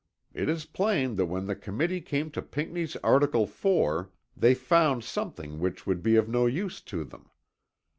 It is plain that when the Committee came to Pinckney's Article 4 they found something which would be of no use to them.